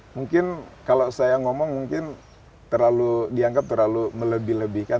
mungkin kalau saya ngomong mungkin terlalu dianggap terlalu melebih lebihkan